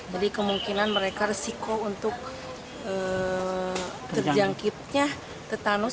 jadi kemungkinan mereka resiko untuk terjangkitnya tetanus